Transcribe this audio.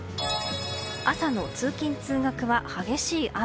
朝の通勤・通学は激しい雨。